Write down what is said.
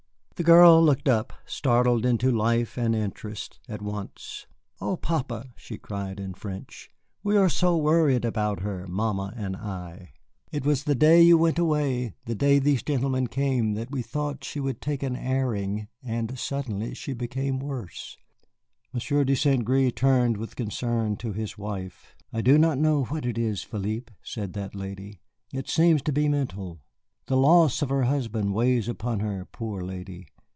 The girl looked up, startled into life and interest at once. "Oh, papa," she cried in French, "we are so worried about her, mamma and I. It was the day you went away, the day these gentlemen came, that we thought she would take an airing. And suddenly she became worse." Monsieur de St. Gré turned with concern to his wife. "I do not know what it is, Philippe," said that lady; "it seems to be mental. The loss of her husband weighs upon her, poor lady.